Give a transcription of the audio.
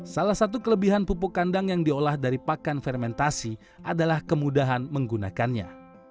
salah satu kelebihan pupuk kandang yang diolah dari pakan fermentasi adalah kemudahan menggunakannya